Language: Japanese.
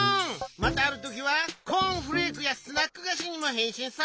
またあるときはコーンフレークやスナックがしにもへんしんさ！